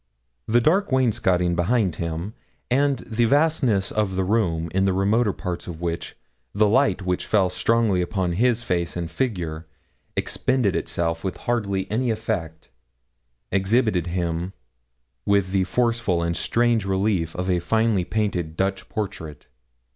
The dark wainscoting behind him, and the vastness of the room, in the remoter parts of which the light which fell strongly upon his face and figure expended itself with hardly any effect, exhibited him with the forcible and strange relief of a finely painted Dutch portrait.